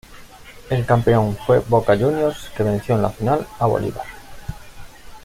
El campeón fue Boca Juniors, que venció en la final a Bolívar.